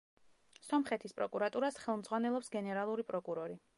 სომხეთის პროკურატურას ხელმძღვანელობს გენერალური პროკურორი.